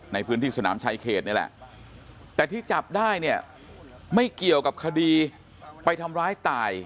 ในพื้นที่สนามชายเขตนี่แหละแต่ที่จับได้เนี่ยไม่เกี่ยวกับคดีไปทำร้ายตาย